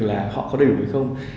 là họ có đầy đủ gì không